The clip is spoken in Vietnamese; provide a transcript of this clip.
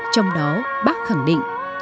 trong đó bác khẳng định